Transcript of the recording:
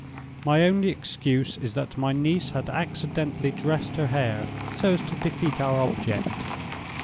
"My only excuse is, that my niece had accidentally dressed her hair so as to defeat our object.